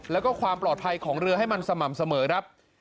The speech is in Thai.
แล้วก็ความปลอดภัยของเรือให้มันสม่ำเสมอครับ